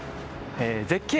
絶景！